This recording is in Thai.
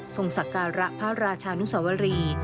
ทรงสักการะพระราชนุษวรี